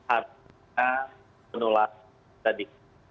artinya penulis tadi